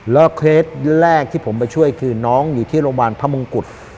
แล้วเคสแรกที่ผมไปช่วยคือน้องอยู่ที่โรงพยาบาลพระมงกุฎ